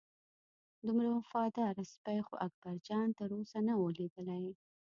دومره وفاداره سپی خو اکبرجان تر اوسه نه و لیدلی.